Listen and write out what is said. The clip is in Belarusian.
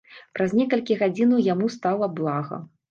Праз некалькі гадзінаў яму стала блага.